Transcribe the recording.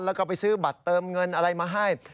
แล้วก็ไปซื้อบัตรเติมเงินอะไรมาให้